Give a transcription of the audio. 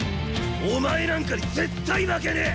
お前なんかに絶対負けねえ！